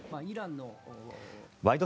「ワイド！